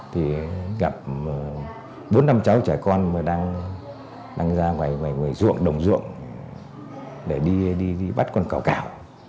thì gặp bốn năm cháu trẻ con đang ra ngoài ruộng đồng ruộng để đi bắt con cào cào